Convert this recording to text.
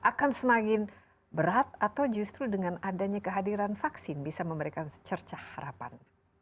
akan semakin berat atau justru dengan adanya kehadiran vaksin bisa memberikan secercah harapan